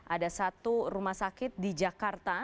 ada satu rumah sakit di jakarta